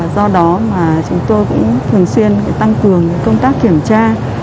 do đó mà chúng tôi cũng thường xuyên tăng cường công tác kiểm tra